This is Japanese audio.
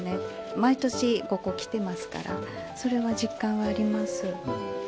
毎年ここ来てますから、それは実感あります。